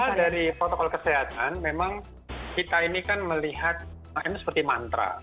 kalau dari protokol kesehatan memang kita ini kan melihat ini seperti mantra